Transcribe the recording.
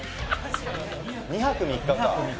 ２泊３日か。